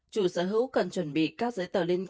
chủ sở hữu cần chuẩn bị các giấy tờ liên quan